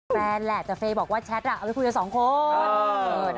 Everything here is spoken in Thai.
นั่นแหละแต่เฟย์บอกว่าแชทเอาไปคุยกันสองคน